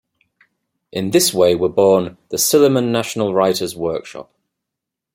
In this way were born the Silliman National Writers Workshop.